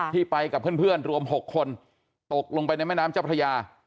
ไปกับเพื่อนรวม๖คนตกลงไปในแม่น้ำเจ้าพระยา